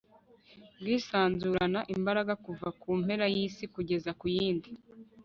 bwisanzurana imbaraga kuva ku mpera y'isi kugera ku yindi